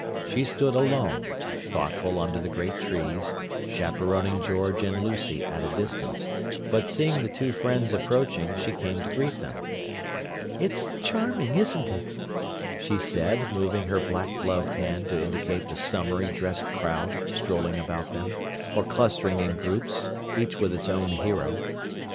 She stood alone, thoughtful under the great trees, chaperoning George and Lucy at a distance; but, seeing the two friends approaching, she came to meet them. "It's charming, isn't it!" she said, moving her black gloved hand to indicate the summery dressed crowd strolling about them, or clustering in groups, each with its own hero.